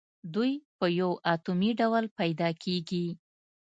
دوی په یو اتومي ډول پیداکیږي.